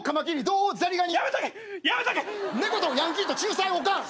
猫とヤンキーと仲裁おかん。